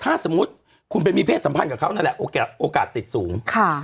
ถ้าสมมุติคุณไปมีเพศสัมพันธ์กับเขานั่นแหละโอกาสติดสูงค่ะ